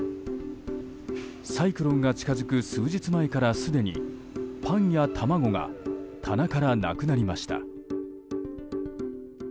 サイクロンが近づく数日前からすでにパンや卵が棚からなくなりました。